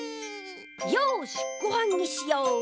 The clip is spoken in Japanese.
よしごはんにしよう！